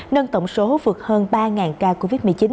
nâng tổng số vượt hơn ba ca covid một mươi chín